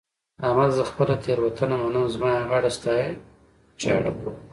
احمده! زه خپله تېرونته منم؛ زما يې غاړه ستا يې واښ.